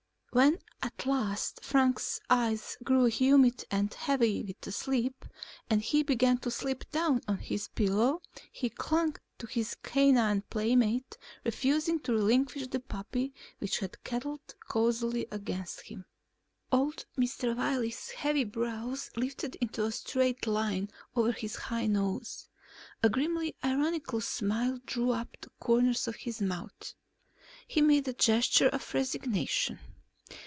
When at last Frank's eyes grew humid and heavy with sleep, and he began to slip down on his pillow, he clung to his canine playmate, refusing to relinquish the puppy which had cuddled cosily against him. Old Mr. Wiley's heavy brows lifted into a straight line over his high nose. A grimly ironical smile drew up the corners of his mouth. He made a gesture of resignation.